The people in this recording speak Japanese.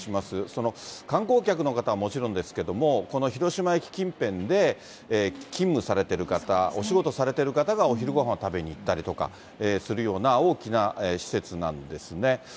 その観光客の方はもちろんですけれども、この広島駅近辺で勤務されてる方、お仕事されてる方がお昼ごはんを食べに行ったりするような、大きな施設なんですね。